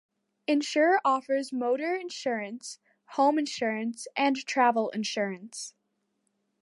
Esure offers motor insurance, home insurance and travel insurance.